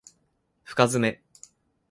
深爪